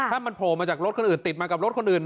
ถ้ามันโผล่มาจากรถคนอื่นติดมากับรถคนอื่น